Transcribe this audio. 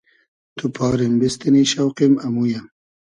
تو پاریم بیستینی شۆقیم امویۂ